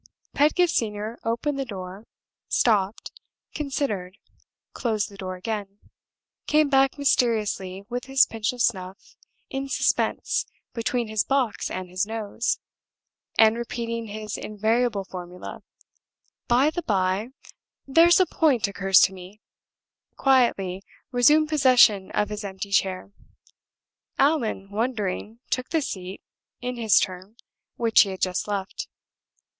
Pedgift Senior opened the door, stopped, considered, closed the door again, came back mysteriously with his pinch of snuff in suspense between his box and his nose, and repeating his invariable formula, "By the by, there's a point occurs to me," quietly resumed possession of his empty chair. Allan, wondering, took the seat, in his turn, which he had just left.